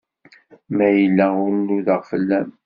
Ma yella ur nudeɣ fell-am.